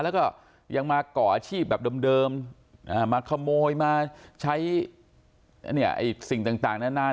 แล้วก็ยังมาก่ออาชีพแบบเดิมมาขโมยมาใช้สิ่งต่างนาน